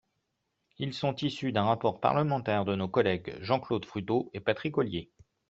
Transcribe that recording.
Ils sont issus d’un rapport parlementaire de nos collègues Jean-Claude Fruteau et Patrick Ollier.